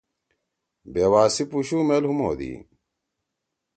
بیوا سی پُشُو مئیل ہُم ہودی۔